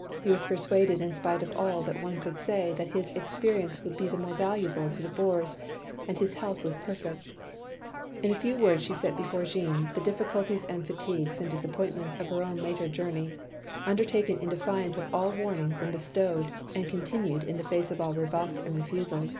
He was persuaded in spite of all that one could say that his experience would be the more valuable to the Boers; and his health was perfect. " In a few words she set before Jeanne the diffi culties and fatigues and disappointments of her own later journey, undertaken in defiance of all warnings bestowed, and continued in the face of all rebuffs and refusals.